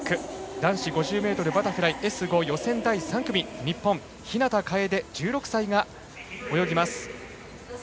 男子５０ｍバタフライＳ５予選第３組日本、日向楓、１６歳が泳ぎます。